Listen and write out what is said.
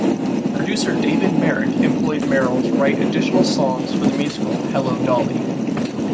Producer David Merrick employed Merrill to write additional songs for the musical "Hello, Dolly".